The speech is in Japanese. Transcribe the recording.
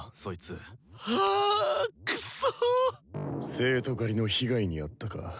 「生徒狩り」の被害に遭ったか。